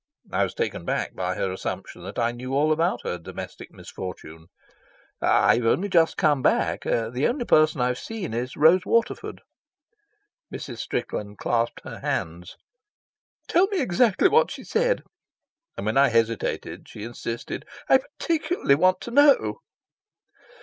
I was taken aback by her assumption that I knew all about her domestic misfortune. "I've only just come back. The only person I've seen is Rose Waterford." Mrs. Strickland clasped her hands. "Tell me exactly what she said." And when I hesitated, she insisted. "I particularly want to know."